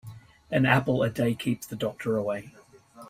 An apple a day keeps the doctor away.